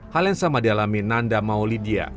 hal yang sama dialami nanda maulidia